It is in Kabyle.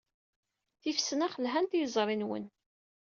Tifesnax lhant i yiẓri-nwen.